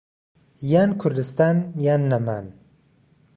یان كوردستان یان نەمان